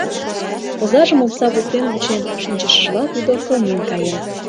Озажым омса воктен вучен шинчышыжла, тудо кылмен каен.